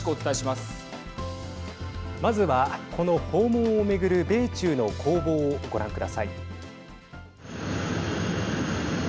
まずは、この訪問を巡る米中の攻防をご覧ください。